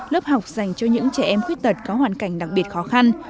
lớp học dành cho những trẻ em khuyết tật có hoàn cảnh đặc biệt khó khăn